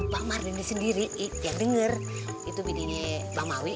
pak mardini sendiri yang denger itu bintinya bang hawi